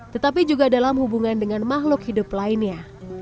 tetapi juga dalam hubungan dengan makhluk hidup lainnya